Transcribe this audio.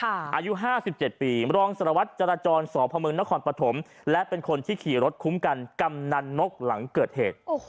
อายุ๕๗ปีรองสารวัตรจรจรสพมนครปฐมและเป็นคนที่ขี่รถคุ้มกันกำนันนกหลังเกิดเหตุ